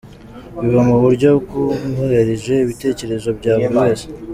Biba mu buryo bwubahirije ibitekerezo bya buri wese.